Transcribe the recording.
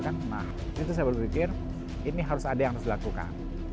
nah itu saya berpikir ini harus ada yang harus dilakukan